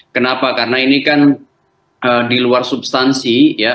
kenapa karena ini kan di luar substansi ya